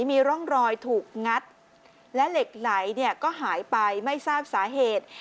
มีร่องรอยถูกงัดและเหล็กไหลเนี่ยก็หายไปไม่ทราบสาเหตุ